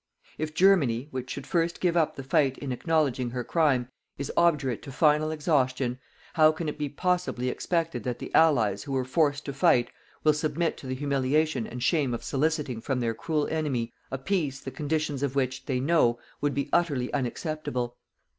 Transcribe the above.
"If Germany, which should first give up the fight in acknowledging her crime, is obdurate to final exhaustion, how can it be possibly expected that the Allies who were forced to fight, will submit to the humiliation and shame of soliciting from their cruel enemy a peace the conditions of which, they know, would be utterly unacceptable.